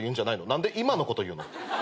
何で今のこと言うの？